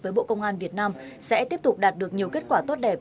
với bộ công an việt nam sẽ tiếp tục đạt được nhiều kết quả tốt đẹp